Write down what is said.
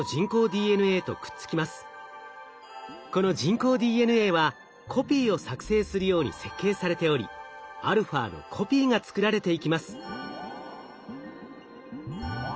この人工ＤＮＡはコピーを作成するように設計されておりαのコピーが作られていきます。